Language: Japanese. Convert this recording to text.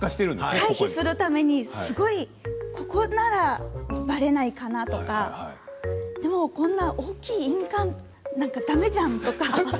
回避するためにここだったら、ばれないかなとかこんな大きい印鑑はだめじゃないとか。